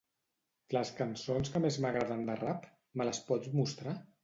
Les cançons que més m'agraden de rap; me les pots mostrar?